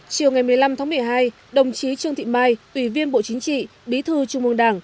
chiều ngày một mươi năm tháng một mươi hai đồng chí trương thị mai ủy viên bộ chính trị bí thư trung mương đảng